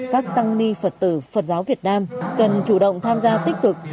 các tăng ni phật tử phật giáo việt nam cần chủ động tham gia tích cực